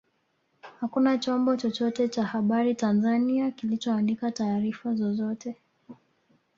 Hakuna chombo chochote cha habari cha Tanzania kilichoandika taarifa zozote